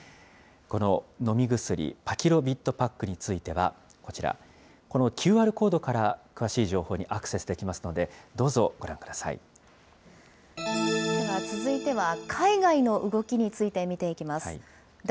この飲み薬、パキロビッドパックについてはこちら、このＱＲコードから詳しい情報にアクセスできでは、続いては海外の動きについて見ていきます。